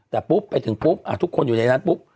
แต่ปุ๊บไปถึงปุ๊บทุกคนอยู่ในนั้นปุ๊บ